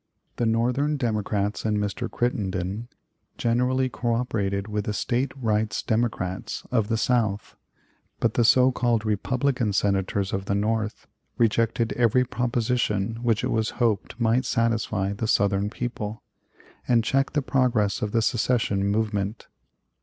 The Northern Democrats and Mr. Crittenden generally coöperated with the State Rights Democrats of the South; but the so called "Republican" Senators of the North rejected every proposition which it was hoped might satisfy the Southern people, and check the progress of the secession movement.